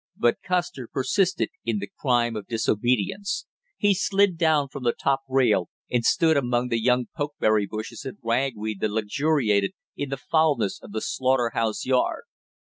But Custer persisted in the crime of disobedience. He slid down from the top rail and stood among the young pokeberry bushes and ragweed that luxuriated in the foulness of the slaughter house yard.